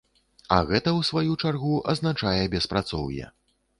А гэта ў сваю чаргу азначае беспрацоўе.